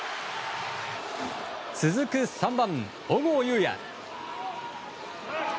続く３番、小郷裕哉。